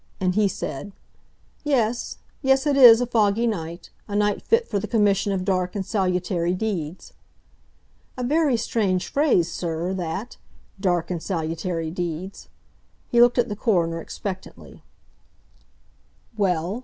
And he said, 'Yes—yes, it is a foggy night, a night fit for the commission of dark and salutary deeds.' A very strange phrase, sir, that—'dark and salutary deeds.'" He looked at the coroner expectantly— "Well?